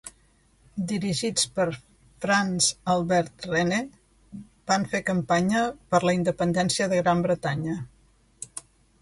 Dirigits per France Albert Rene, van fer campanya per la independéncia de Gran Bretanya.